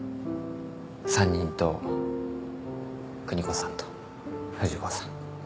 ３人と邦子さんと富士子さん